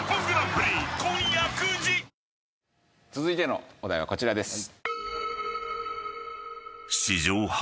続いてのお題はこちらです。